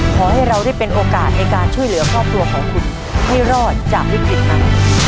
ขอให้เราได้เป็นโอกาสในการช่วยเหลือครอบครัวของคุณให้รอดจากวิกฤตนั้น